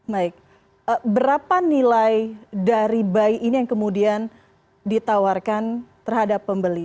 baik berapa nilai dari bayi ini yang kemudian ditawarkan terhadap pembeli